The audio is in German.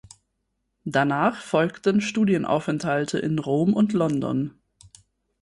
Danach folgten Studienaufenthalte in Rom und London.